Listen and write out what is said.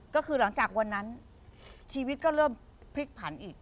ก็คือหลังจากวันนั้นชีวิตก็เริ่มพลิกผันอีก